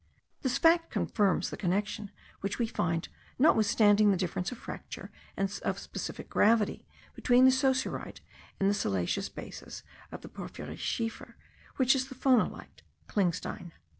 This fact confirms the connection which we find, notwithstanding the difference of fracture and of specific gravity between the saussurite and the siliceous basis of the porphyrschiefer, which is the phonolite (klingstein).